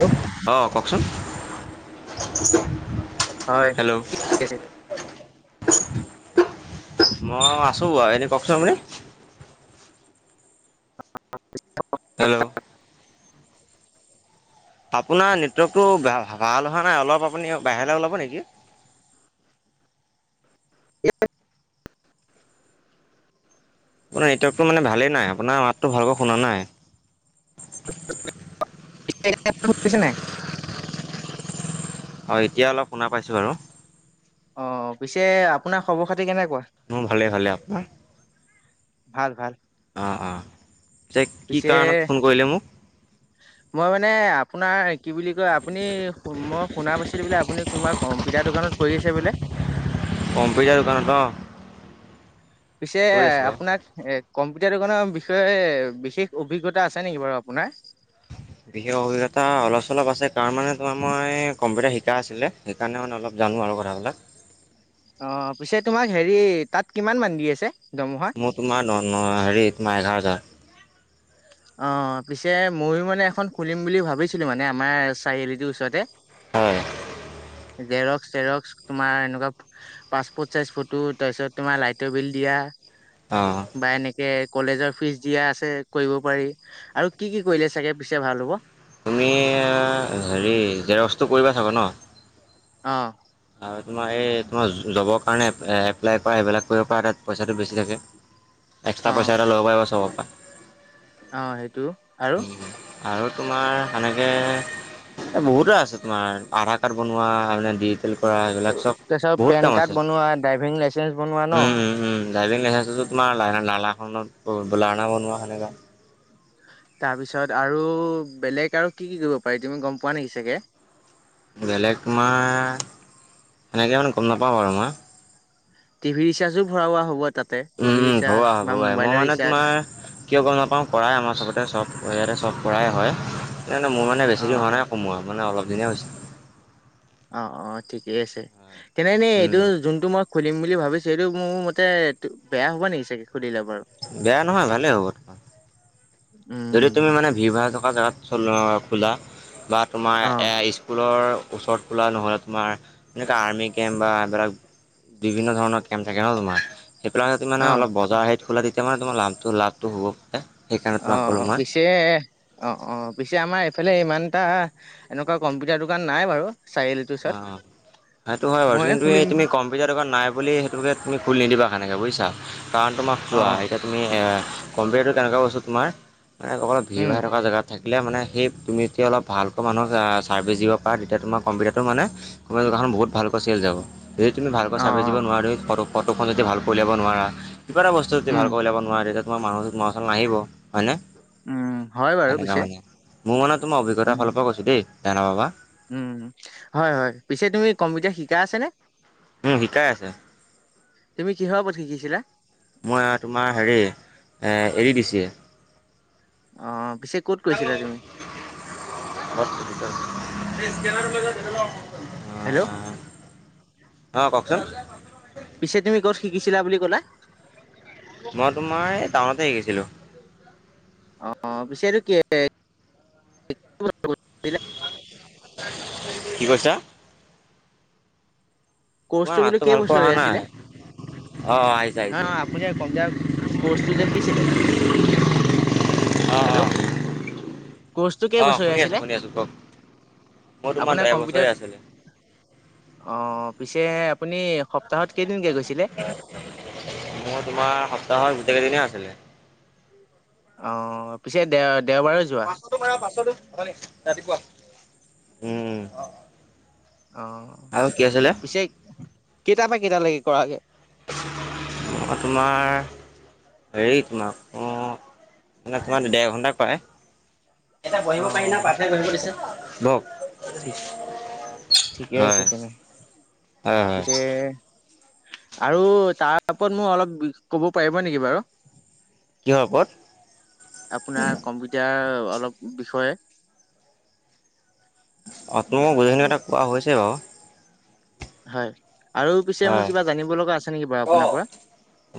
Hello অ কওকচোন হয় হেল্ল' কি কৰিছে মই আছো ব এনে কওকচোন আপুনি অ [unintelligible] হেল্ল' আপোনাৰ নেটৱৰ্কতটো ভাল হোৱা নাই অলপ আপুনি বাহিৰলৈ ওলাব নেকি এ [unintelligible] আপোনাৰ নেটৱৰ্কটো মানে ভালেই নাই আপোনাৰ মাতটো ভালকৈ শুনা নাই। এতিয়া শুনিছা নাই। অঁ এতিয়া অলপ শুনা পাইছোঁ বাৰু। অ পিছে আপোনাৰ খবৰ খা মোৰ ভালে ভালে আপোনাৰ? [unintelligible] ভাল ভাল। অঁ অঁ যে কি পিছে কাৰণত ফোন কৰিলে মোক মই মানে আপোনাৰ কি বুলি কয় আপুনি মই শুনা পাইছিলোঁ বোলে আপুনি কোনোবা কম্পিউটাৰ দোকানত কৰি আছে বোলে। কম্পিউটাৰ দোকানত অহ। পিছে আপোনাক এ কম্পিউটাৰ দোকানৰ বিষয়ে বিশেষ অভিজ্ঞতা আছে নেকি বাৰু আপোনাৰ? বিশেষ অভিজ্ঞতা অলপ চলপ আছে কাৰ মানে তোমাৰ মই কম্পিউটাৰ শি শিকা আছিলে সেইকাৰণে মানে অলপ জানো আৰু কথাবিলাক। অ পিছে তোমাক হেৰি তাত কিমান মান দি আছে। দৰমহা মোৰ তোমাৰ হেৰি তোমাৰ এঘাৰটা। অ পিছে মইয়ো মানে এখন খুলিম বুলি ভাবিছিলোঁ মানে আমাৰ চাৰিআলিটোৰ ওচৰতে। হয়। জেৰক্স জেৰক্স তোমাৰ এনেকুৱা পাছপৰ্ট চাইজ ফটো তাৰপিছত তোমাৰ লাইটৰ বিল দিয়া। অঁ বা এনেকে কলেজৰ ফিজ দিয়া আছে কৰিব। পাৰি আৰু কি কি কৰিলে চাগে পিছে ভাল হ'ব। তুমি হেৰি জেৰক্সটো কৰিবা চাগ ন? অহ তোমাৰ এই তোমাৰ জবৰ কাৰণে এপ্লাই কৰা এইবিলাক কৰিব পৰা তাত পইচাটো বেছি থাকে। এক্সট্ৰা পইচা এটা ল'ব পাৰিবা চবৰ পৰা। অঁ সেইটো আৰু। আৰু তোমাৰ সেনেকে বহুতে আছে তোমাৰ আধাৰ কাৰ্ড বনোৱাে দি। কৰা এইবিলাক চব তাৰপিছত বহুত পেন কাম কাৰ্ড আছে বনোৱা ড্ৰাইভিং লাইচেন্ঞ্চ বনোৱা ন উম উম উম। ড্ৰাইভিং লাইচেঞ্চসটো তোমাৰ লাইনা লানাখনত লাৰনা বনোৱা সেনেকা। তাৰপিছত আৰু বেলেগ আৰু কি কি কৰিব পাৰি তুমি গম পোৱা নেকি চাগে? বেলেগ তোমাৰ সেনেকে মানে গম নাপাওঁ বাৰু মই। টিভি ৰিচাৰ্জো ভৰোৱা হ'ব তাতে, উম, টিভি উম, ভৰোৱা ৰিচাৰ্জ বা ভৰোৱাই মই মোবাইলৰ মানে তোমাৰ ৰিচাৰ্জ। কিয় গম নাপাওঁ কৰাই মই চবতে চব ইয়াতে চব কৰাই হয়। এতিয়া মানে মই মানে বেছি হোৱা অ নাই সোমোৱা মানে অলপ দিনে হৈছে। অ অ ঠিকেই আছে, তেনেনে এইটো উম, যোনটো মই খুুলিম বুলি ভাবিছো এইটো মোৰ মতে বেয়া হ'ব নেকি চাগে খুলিলে। বাৰু বেয়া নহয় ভালেই হ'ব তোমাৰ। যদি উম তুমি মানে ভিৰ ভাৰ থকা জেগাত চলা খোলা বা। তোমাৰ অ স্কুলৰ ওচৰত খোলা নহ'লে তোমাৰ আৰ্মি কেম্প বা এইবিলাক বিভিন্ন ধৰণৰ কেম্প থাকে ন তোমাৰ সেইবিলাক যদি মানে অ অলপ বজাৰ হেৰি খোলা তেতিয়া মানে তোমাৰ লাভটো লাভটো হব। সেইকাৰণে অ তোমাক ক'লো অ মই। পিছে অ অ পিছে আমাৰ এইফালে ইমান এতিয়া এনেকুৱা কম্পিউটাৰ দোকান নাই বাৰু। চাৰিআলিটোৰ অ ওচৰত সেইটো হয় বাৰু ময়ে কিন্তু খুলিম এই তুমি কম্পিউটাৰ দোকান নাই বুলি সেইটো ঠাইত তুমি খুলি নিদিবা সেনেকৈ বুজিছা কাৰণ তোমাক অ চোৱা এতিয়া তুমি আ কম্পিটাৰটো কেনেকুৱা বস্তু তোমাৰ ম অকল ভিৰ উম ভাই থকা জেগাত থাকিলে মানে সেই তুমি এতিয়া অলপ ভালকৈ মানুহক ছাৰ্ভিচ দিব পা তেতিয়া তোমাৰ কম্পিউটাৰ টো মানে তোমাৰ দোকানখন বহুত ভালকৈ চেল যাব, যদি তুমি ভালৈ অ চাভিচ অ দিব নোৱাৰো তুমি ফ ফটোখন যদি ভালকৈ উলিয়াব নোৱাৰা কিবা এটা বস্তু যদি উম ভালকৈ উলিয়াব নোৱাৰা তেতিয়া তোমাৰ মানুহ ওচৰলে নাহিব। হয়নে উম হয় বাৰু সেনেকা পিছে মানে মোৰ মানে তোমাৰ অভিজ্ঞতাৰ উম ফালৰ পৰা কৈছোঁ দেই বেয়া নেপাবা উম হয় হয় পিছে তুমি কম্পিউটাৰ শিকাই আছে নে? উম শিকাই আছে। তুমি কিহৰ ওপৰত শিকিছিলা? মই তোমাৰ হেৰি এদি দিছি এ অ পিছে ক'ত কৈছিলা তুমি [unintelligible] হেল্ল'। অ কওঁকচোন। পিছে তুমি ক'ত শিকিছিলা বুলি ক'লা? মই তোমাৰ এই টাউনতে শিকিছিলো। অ পিছে এইটো কি [unintelligible] [unintelligible] কি কৈছা? তোমাৰ ক'ৰ্ছটো বুলোঁ মাতটো ভালকৈ অহা কেইবছৰীয়া নাই আছিলে? অ' আহিছে অ আহিছে অ আপুনি যে কম্পিউটাৰ কৰ্চটো যে শিকিছিলে অ' হেল্ল'। কৰ্চটো অ' অ' কেইবছৰীয়া শুনি আছোঁ আছিলে? শুনি আছোঁ কওক। মোৰ তোমাৰ আপোনাৰ এবছৰে কম্পিউটাৰ আছিলে অ পিছে আপুনি এক সপ্তাহত কেইদিনকে গৈছিলে? মোৰ তোমাৰ সপ্তাহৰ গোটেই কেইদিনে আছিলে। অ পিছে দে দেওবাৰে যোৱা পাছতো বাৰ পাছতো [unintelligible] অথনী ৰাতিপুৱা উম অ আৰু কি আছিলে পিছে কেইটা পা কেইটালৈকে কৰাগে? [unintelligible] তোমাৰ হেৰি তোমাক মানে [unintelligible] মানে তোমাৰ ডেৰ ঘণ্টা কৰাই। এতিয়া বহিব পাৰি না অ', পাঠে বহিব দিছে, বহক। ঠিকে আছে হয় তেনে। হয় হয় পিছে আৰু তাৰ ওপৰত মোক অলপ ক'ব পাৰিব নেকি বাৰু? কিহৰ ওপৰত? আপোনাৰ কম্পিউটাৰ অলপ বিষয়ে মই গোটেই খিনি কথা কোৱা হৈছে বাও। হয় আৰু পিছে মোৰ কিবা জানিব লগা আছে নেকি বাৰু অ আপোনাৰ পৰা?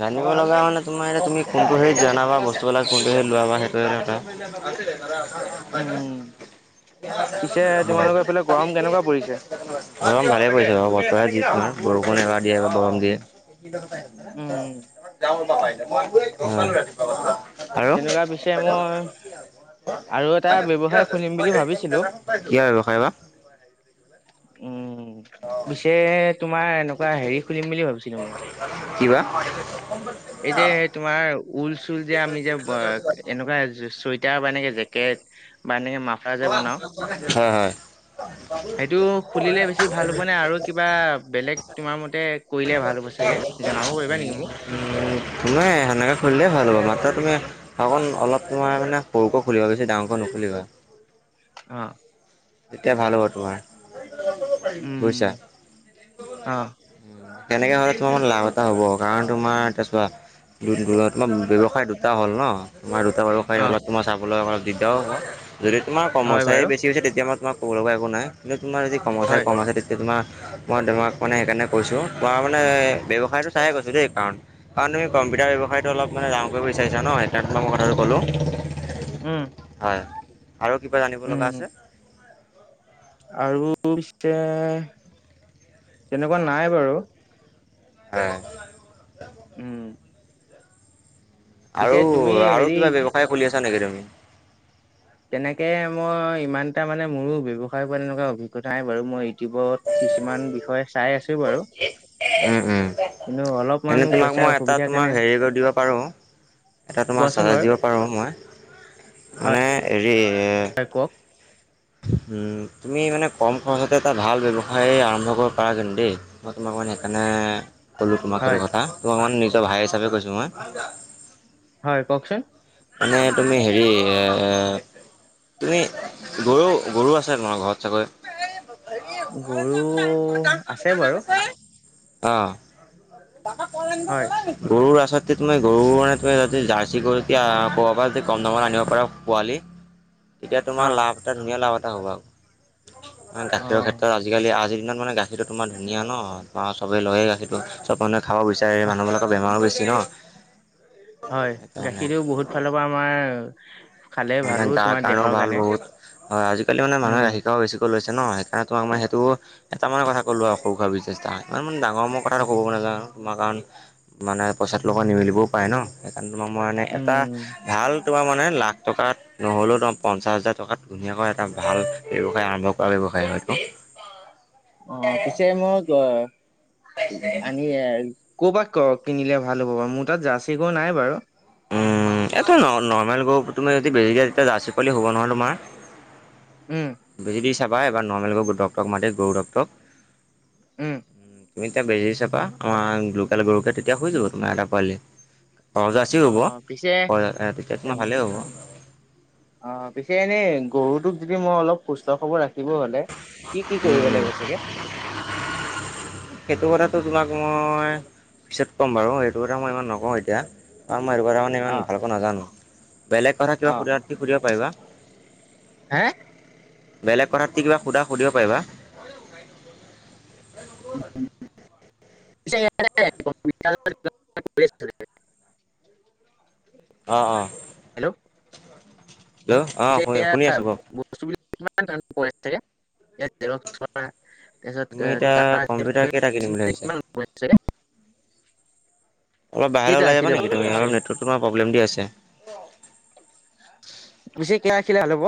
জানিব লগা মানে তোমাৰ এয়া তুমি কোনটো হেৰি জনাবা বস্তুবিলাক কোনটো হেৰীত লোৱা বা সেইটো এটা উম, পিছে তোমালোকৰ এইফালে গৰম কেনেকুৱা পৰিছে? গৰম ভালে পৰিছে বাৰু বতৰে যি কৰে বৰষুণ এবাৰ দিয়ে এবাৰ গৰম দিয়ে উম, [unintelligible] তেনেকুৱা পিছে মই আৰু এটা ব্যৱসায় কিহৰ খুলিম বুলি ভাবিছিলো। ব্যৱসায় বা? উম পিছে তোমাৰ এনেকুৱা হেৰি খুলিম বুলি ভাবিছিলো মই। কি বা? এই যে তোমাৰ ঊল চুল যে আমি যে এনেকুৱা চুৱেটাৰ বা এনেকে জেকেট মানে মাৰফালৰ যে বনাওঁ। হয় হয়। সেইটো খুলিলে বেছি ভাল হব নে আৰু কিবা বেলেগ তোমাৰ মতে কৰিলে ভাল হ'ব? [unintelligible] চাগে জনাব পাৰিবা নেকি মোক? সেনেকে খুলিলে ভাল হ'ব মাত্ৰ তুমি অকণ অলপ তোমাৰ মানে সৰুকৈ খুলিবা বেছি ডাঙৰকৈ নুখুলিবা। অ। তেতিয়া ভাল হ'ব তোমাৰ। [unintelligible] বুইছা উম, অ', [unintelligible] তেনেকে হলে তোমাৰ লাভ এটা হ'ব, কাৰণ তোমাৰ এতিয়া চোৱা ব্যৱসায় দুটা হ'ল ন? তোমাৰ দুটা ব্যৱসায় অ', অলপ তোমাৰ চাবলৈ অলপ দিগদাও হব। যদি তোমাৰ হয় কৰ্মচাৰী বাৰু বেছি হৈছে তেতিয়া তোমাক ক'ব লগা একো নাই, কিন্তু তোমাৰ যদি কৰ্মচাৰী হয়। কম আছে তেতিয়া তোমাৰ মই তোমাক মানে সেইকাৰণে কৈছো, কুৱা মানে ব্যৱসায়টো চাই কৈছো দেই কাৰণ, কাৰণ তুমি কম্পিটাৰ ব্যৱসায়টো অলপ মানে ডাঙৰ কৰিব বিচাৰিছ ন? [unintelligible] মই কথাটো ক'লো। উম। আৰু কিবা জানিব লগা উম আছে আৰু পিছে তেনেকুৱা নাই বাৰু হ উম পিছে আৰু তুমি আৰু হেৰি কিবা ব্যৱসায় খুলি আছা নেকি তুমি তেনেকে মই ইমান এটা মানে মোৰো ব্যৱসায়ৰ পৰা এনেকুৱা অভিজ্ঞতা নাই বাৰু মই ইউটিউবত কিছুমান বিষয় চাই আছো বাৰু উম উম কিন্তু অলপমান এনেই মোৰ তোমাক পইচাৰ মই এটা অসুবিধাৰ তোমাক কাৰণে হেৰি কৰি দিব পাৰো এটা তোমাৰ কোৱাচোন চানচ বাৰু ৰ্দিব পাৰোঁ মই হয় মানে হেৰি হয় কওক [inaudible] তুমি মানে কম খৰচতে এটা ভাল ব্যৱসায় আৰম্ভ কৰিব পাৰা যেনো দেই মই তোমাক মাণে সেইকাৰণে [inaudible] ক'লো তোমাক সেইটো হয় কথা তোমাক নিজৰ ভাই হিচাপে কৈছো মই হয় কওকচোন মানে তুমি হেৰি এ তুমি গৰু আছে তোমাৰ ঘৰত চাগৈ গৰু আছে বাৰু অ হয় গৰুৰচী ত মই গৰু মানে জাৰ্চি গৰু ত কৰবাৰ পৰা য কম দামত আনিব পাৰা পোৱালি তেতিয়া অ তোমাৰ লাভ এটা ধুনীয়া লাভ এটা হ'ব আৰু অ গাখীৰৰ ক্ষেত্ৰত আজিকালি আজি মানে গাখীৰটো তোমাৰ ধুনীয়া ন তোৰ চবে লয়ে গাখীৰটো চব মানুহ খাব বিচাৰে মানুহবিলাকৰ বেমোচি জনা হয় গাখীৰটো বহুত ফালৰ পৰা আমাৰ খালে মানে ভালো গাৰ তোমাৰ কাৰণেও দেহৰ ভাল কাৰণে বহুত হয় আজিকালি মানে মানুহে উম গাখীৰ খাব বেছিকৈ লৈছে ন সেইকাৰণ তোমাক মানে কেইটামান কথা কলো আৰু সৰু খ চেষ্টা ইমান ডাঙৰ কথাটো কব নাজানো আৰু নহয় কাৰণ, মানে পইচাটোৰ লগত নিমিলিবও পাৰে ন সেইকাৰণে তোমাৰ মানে এটা উম ভাল তোমাৰ মানে লাখ টকাত নহ'লেও তোমাৰ পঞ্চাছ হাজাৰ টকাত ধুনীয়াকৈ এটা ভাল ব্যৱসায় আৰম্ভ কৰা ব্যৱসায় হয়তো। [inaudible] অঁ পিছে মোক [unintelligible] ক'ৰ পা কিনিলে ভাল হ'ব বাৰু মোৰ তাত জাৰ্চি গৰু নাই বাৰু। উম এইটো নৰ্মেল গৰু তুমি যদি বেজি তেতিয়া জাৰ চিকলি হ'ব নোৱাৰ তোমাৰ উম বেজি দি চাবা এবাৰ নৰ্মেল গৰুক ডক্টৰক মাতি গৰু ড্টৰক উম তুমি এতিয়া বেজি চাপা আমাৰ লোকেল গৰুকে তেতিয়া হৈ যাব তোমাৰ এটা পোৱালি অ ঘৰজাচিৰ'ব পিছে তেতিয়া তোমাৰ ভালেই হ'ব অ পিছে এনেই গৰুটোক যদি মই অলপ সুস্থ খবৰ ৰাখিম থাকিব হলে কি কি উম কৰিব উম লাগিব চাগে সেইটো কথাটো তোমাক মই পিছত ক'ম বাৰু সেইটো কথা মই ইমান নকওঁ এতিয়া মানে ইমান অ ভালকৈ নাজানো বেলেগ কথা কিবা অ হুধা যদি সুধিব পাৰিবা হে বেলেগ কথাত কিবা সুধা যদি সুধিব পাৰিবা [unintelligible] অ অ হয়। হেল্ল' অ শুনি পিয়া শুনি আছোঁ কওক বস্তু বিলাক কিমান চ। তাৰপিছত তুমি এতিয়া ত কম্পিউটাৰ কেইটা কিনিম বুলি ভাবিছা কিমান? অলপ বাহিৰলৈ ওলাই যাবা নেকি হ'ব তুমি অলপ চাগে? নেটৱক টো প্ৰব্লেম দি আছে। বছি খেলা খেলিলে ভাল হ'ব।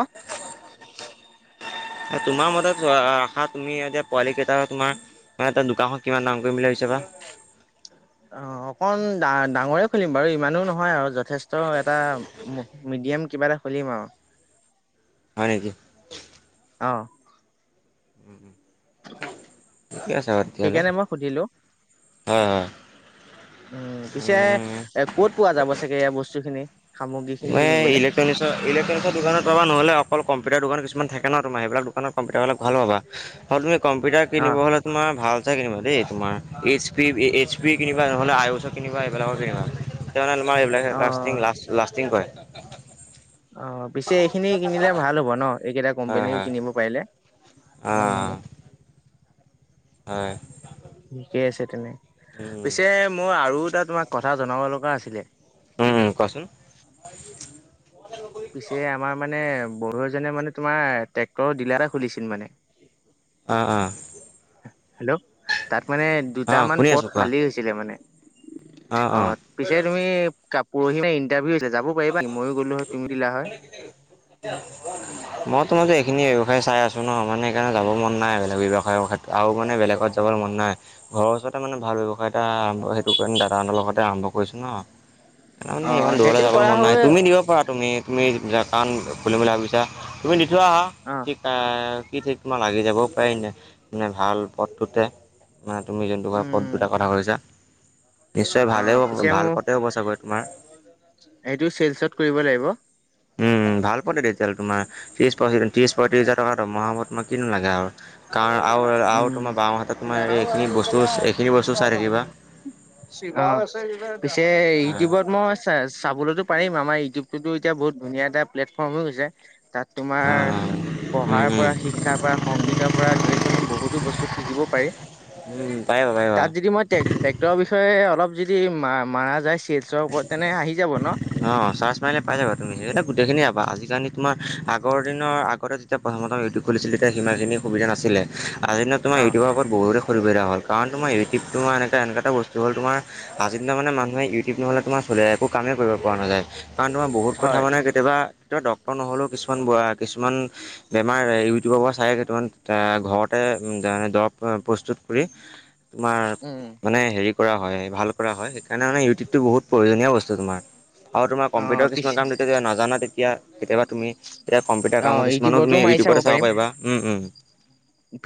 তোমাৰ মতহা তুমি এ যেয়া পোৱালিকটা হ তোমাৰ। [unintelligible] দোকানখন কিমান ডাঙৰ কৰিম বুলি ভাবিছে বা! [inaudible] অ অকণ ডা ডাঙৰে খুলিম বাৰু ইমানো নহয় আৰু যথেষ্ট এটা গেম কিবা এটা খুলিম আও। হয় নেকি? অঁ। [inaudible] সেইকাৰণে মই সুধিলো। অ অ। উম পিছে এ ক'ত পোৱা যাব চাগে এই বস্তুখিনি। এ ইলেকট্ৰনিক্সৰ ইলেকট্ৰনিক্সৰ দোকানত পাবা নহলে অকল কম কম্পিউটাৰ দোকান কিছুমান থাকে ন তোমাৰ সেইবিলাক দোকানত কম্পিউটাৰবিলাক ভাল পাবা, আৰু তুমি কম্পিউটাৰ কিনিব অ', হ'লে তোমাৰ ভাল [unintelligible] কিনিবা দেই তোমাৰ এইচ পি এইচ পি কিনিবা নহ'লে আই কিনিবা এইবিলাকৰ কিনিবা। কিয়নো তোমাৰ এইবিলাক অ', লাষ্টিং ল লাষ্টিং কৰে। অ পিছে এইখিনি কিনিলে ভাল হ'ব ন এইকেইটা কোম্পনী কিনিব পাৰিলে। উম, অহ। হয়। ঠিকে আছে তেনে। উম পিছে মোৰ আৰু এটা তোমাক কথা জনাব লগা আছিলে। উম কোৱাচোন পিছে আমাৰ মানে বড়ো এজনে মানে তোমাৰ ট্ৰেক্টৰৰ ডিলাৰে খুলিছিল মানে। আ আ। হেল্ল' তাত মানে অ দুটামান শুনি পদ আছো কোৱা খালী হৈছিলে মানে। অ পিছে তুমি কাপৰহি ইন্টাৰভিউ যাব পাৰিবানি মইও গ'লো হয় তুমি দিলা হয়। ত মই যে এইখিনি ব্যৱসায় চাই আছো ন মানে সেইকাৰণে যাব মন নাই বেলেগ ব্যৱসায়ৰ ক্ষেত্ৰত মেলেগত যাবৰ মন নাই। ঘৰৰ ওচৰতে মানে ভাল ব্যৱসায়ী এটা আৰম্ভ, সেইটো কাৰণে দাদাহঁতৰ লগতে আৰম্ভ কৰিছো ন। [unintelligible] কাৰণ ইমান দূৰলৈ সেইটো যাবলৈ কৰা মন নাই। হয়। তুমি দিব পাৰা, তুমি কি কম বুলি ভাবিছা তুমি যোৱা অ কি কাৰণে কি ঠিক তোমাৰ লাগি যাবও পাৰিনে, মানে ভাল পথটোতে। মানে তুমি যোনটো ভাবত, উম দুটা কথা কৈছা। নিশ্চয় অ ভালে হ'ব পিছে ভাল মোৰ পথে হ'ব চাগৈ তোমাৰ। [unintelligible] চেলচত কৰিব লাগিব। উম উম ভাল পথে তেতিয়াহলে তোমাৰ ত্ৰিশ পঁয়ত্ৰিশ হাজাৰ টকা দৰমহা হব তোমাৰ কিনো লাগে আৰু। কাৰণ আৰু আৰু উম। তোমাৰ বাওঁহাতত তোমাৰ এইখিনি বস্তু এইখিনি বস্তু চাই থাকিবা। অ পিছে অ', ইউটিউবত মই চা চাবলৈতো পাৰিম আমাৰ ইউটিউবটোতো এতিয়া বহুত ধুনীয়া এটা প্লেটফৰ্ম হৈ গৈছে। তাত তোমাৰ অ', উম, পঢ়াৰ উম, পৰা শিক্ষাৰ পৰা সংগীত তাত সেইকোনো বহুতো বস্তু শিকিব পাৰি। উম, পাৰিবা [inaudible] পাৰিবা। তাত যদি মইে ট্ৰেক্টৰৰ বিষয়ে অলপ যদি মা মাৰা যায় চেলছৰ ওপৰত তেনে আহি যাব ন? অ চাৰ্চ মাৰিলে পাই যাবা তুমি [unintelligible] গোটেইখিনি পাবা আজিকালি তোমাৰ আগদিনৰ আগতে যেতিয়া প্ৰথমতে ইউটিউব খুলিছিলো তেতিয়া সিমানখিনি সুবিধা নাছিলে, আজিৰ দিনত তোমাৰ অ' ইউটিউবৰ ওপৰত বহুত সুবিধা হ'ল কাৰণ তোমাৰ ইউটিউবটো [unintelligible] এনেকুৱা এটা বস্তু হ'ল তোমাৰ আজি দিনত মানুহে ইউটিউব নহলে তোমাৰ খোলে একো কামেই কৰিব পৰা নাযায় কাৰণ তোমাৰ বহুত কথা হয় মানে কেতিয়াবা তেওঁ ডক্তৰ নহ'লেও কিছুমান বোৱা কিছুমান বেমাৰ ইউটিউবৰ পৰা চায় দেখোন কিছুমান ঘৰতে দৰৱ প্ৰস্তুত কৰি তোমাৰ উম মানে হেৰি কৰা হয়। ভাল কৰা হয় সেইকাৰণে মানে ইউটিউবটো বহুত প্ৰয়োজনীয় বস্তু তোমাৰ। আৰু তোমাৰ অ' কম্পিউটাৰ পিছ কিছুমান কাম যেতিয়া নাজানা তেতিয়া কেতিয়াবা তুমি এতিয়া কম্পিউটাৰ অ' কামৰ কিছুমানো ইউটিউবতো তুমি মাৰি ইটিউবতে চাব পাৰিম। পাৰিবা উম উম।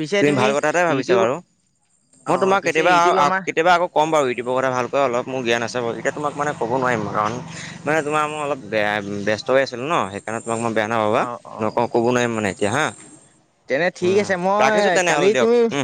পিছে তুমি ভাল কথা এটাই ভাবিছা ইউটিউব বাৰু। মই অ' তোমাক পিছে কেতিয়াবা আও ইউটিউব আক আমাৰ কেতিয়াবা আকৌ ক'ম বাৰু ইউটিউবৰ কথা ভালকৈ, অলপ মোৰ জ্ঞান আছে বাৰু, এতিয়া তোমাক মানে ক'ব নোৱাৰিম। কাৰণ মানে তোমাৰ মই অলপ বেয়া, ব্যস্ত হৈ আছিলো ন সেইকাৰণে। তোমাক মই বেয়া নাপাবা, অ' অ' নকও ক'ব নোৱাৰিম মানে এতিয়া হা। তেনে ঠিক উম আছে। ৰাখিছোঁ মই কালি তেনেহ'লে দিয়ক তুমি অ উম